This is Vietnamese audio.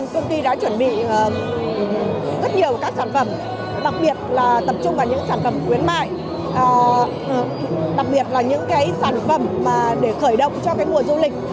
công ty đã chuẩn bị rất nhiều các sản phẩm đặc biệt là tập trung vào những sản phẩm khuyến mại đặc biệt là những cái sản phẩm để khởi động cho mùa du lịch